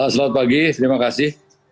selamat pagi terima kasih